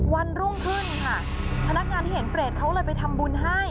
วันรุ่งขึ้นค่ะพนักงานที่เห็นเปรตเขาเลยไปทำบุญให้